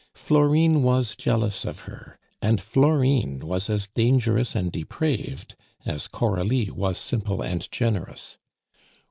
Florine was jealous of her, and Florine was as dangerous and depraved as Coralie was simple and generous.